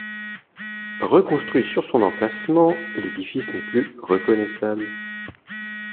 Reconstruit sur son emplacement, l’édifice n’est plus reconnaissable.